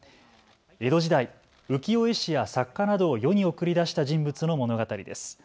江戸時代、浮世絵師や作家などを世に送り出した人物の物語です。